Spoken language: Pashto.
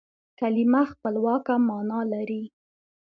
کلیمه خپلواکه مانا لري.